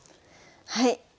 はい。